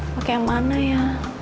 pake yang mana ya